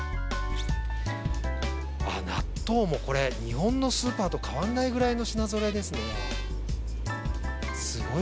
納豆もこれ、日本のスーパーと変わらないくらいの品ぞろえですね。